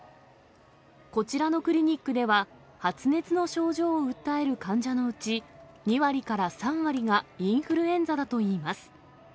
こちらのクリニックでは発熱の症状を訴える患者のうち、２割から３割がインフルエンザだといいます。